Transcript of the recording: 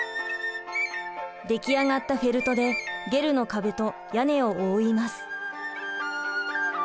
出来上がったフェルトでゲルの壁と屋根を覆います。